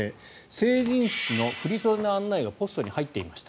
成人式の振り袖の案内がポストに入っていました